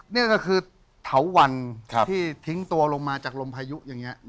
เนี้ยก็คือเถาวันครับที่ทิ้งตัวลงมาจากลมพายุอย่างเงี้ยนะฮะ